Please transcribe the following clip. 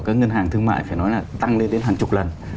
các ngân hàng thương mại phải nói là tăng lên đến hàng chục lần